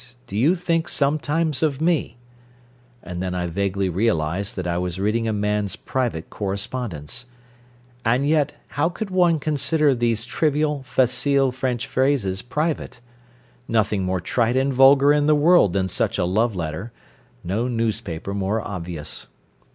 Do you think sometimes of me?" And then I vaguely realised that I was reading a man's private correspondence. And yet, how could one consider these trivial, facile French phrases private? Nothing more trite and vulgar in the world than such a love letter no newspaper more obvious.